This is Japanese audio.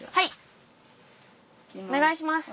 お願いします！